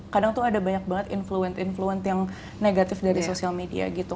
kadang tuh ada banyak banget influence influence yang negatif dari sosial media gitu